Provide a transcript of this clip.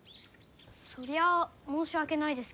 そりゃあ申し訳ないですけんど。